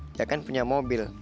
dia kan punya mobil